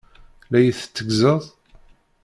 La yi-tetteggzeḍ?